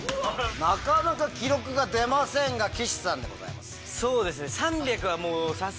なかなか記録が出ませんが岸さんでございます。